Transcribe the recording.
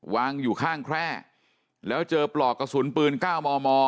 วางอยู่ข้างแคร่แล้วเจอปลอกกระสุนปืน๙มม